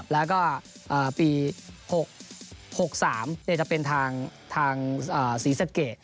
แล้วก็ปี๖๓จะเป็นทางศรีศรักดิ์เกต